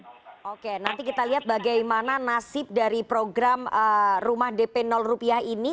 oke nanti kita lihat bagaimana nasib dari program rumah dp rupiah ini